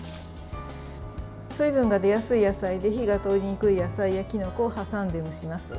水分が出やすい野菜で火が通りにくい野菜やきのこを挟んで蒸します。